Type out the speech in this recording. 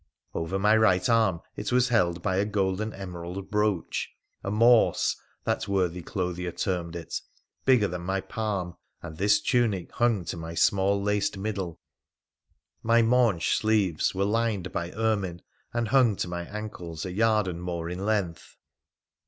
Over my right arm it was held by a gold and emerald brooch — a ' morse ' that worthy clothier termed it — bigger than my palm, and this tunic hung to my small laced middle. My maunch sleeves were lined by ermine, and hung to my ankles a yard and more in length.